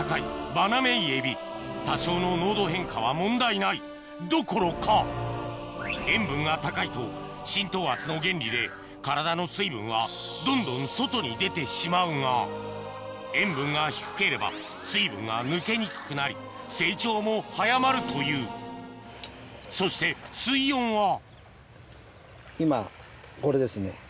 バナメイエビ多少の濃度変化は問題ないどころか塩分が高いと浸透圧の原理で体の水分はどんどん外に出てしまうが塩分が低ければ水分が抜けにくくなり成長も早まるというそして水温は今これですね。